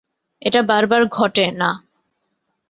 এটা বারবার ঘটে, না।